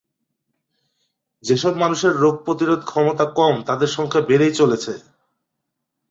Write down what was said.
যেসব মানুষের রোগ প্রতিরোধ ক্ষমতা কম তাদের সংখ্যা বেড়েই চলেছে।